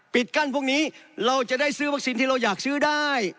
กั้นพวกนี้เราจะได้ซื้อวัคซีนที่เราอยากซื้อได้